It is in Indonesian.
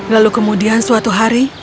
lalu kemudian suatu hari